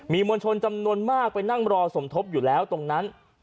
มีมวลชนจำนวนมากไปนั่งรอสมทบอยู่แล้วตรงนั้น